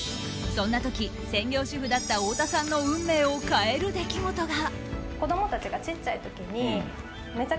そんな時、専業主婦だった太田さんの運命を変える出来事が。